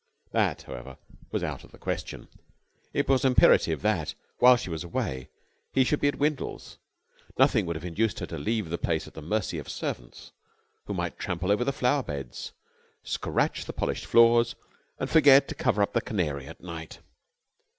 That, however, was out of the question. It was imperative that, while she was away, he should be at Windles. Nothing would have induced her to leave the place at the mercy of servants who might trample over the flower beds, scratch the polished floors, and forget to cover up the canary at night.